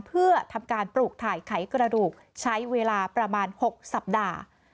เพื่อทำการปลูกถ่ายไขกระดูกใช้เวลาประมาณ๖สัปดาห์